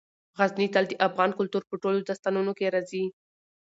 غزني تل د افغان کلتور په ټولو داستانونو کې راځي.